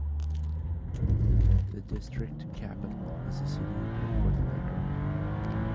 The district capital is the city of Portalegre.